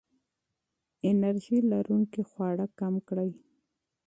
انرژي لرونکي خواړه کم کړئ.